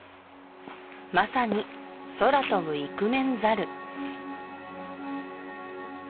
まさに空飛ぶイクメンザル